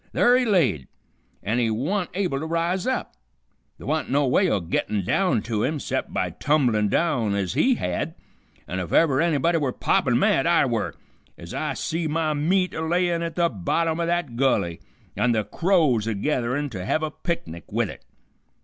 Ther' he laid, and he wa'n't able to rise up. Th' wa'n't no way o' gettin' down to him 'cept by tumblin' down ez he had, an' if ever anybody were poppin' mad I were, ez I see my meat a layin' at the bottom o' that gulley, an' the crows a getherin' to hev a picnic with it.